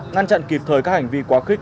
ngăn chặn kịp thời các hành vi quá khích